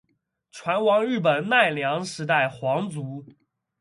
船王日本奈良时代皇族。